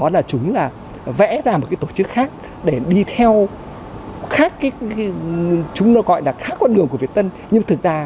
và chúng muốn bác bỏ vai trò lãnh đạo của đảng thôi